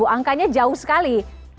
angkanya jauh sekali